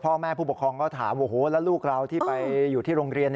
พ่อแม่ผู้ปกครองก็ถามโอ้โหแล้วลูกเราที่ไปอยู่ที่โรงเรียน